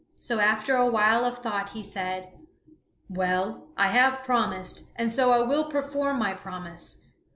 So after a while of thought he said: "Well, I have promised, and so I will perform my promise.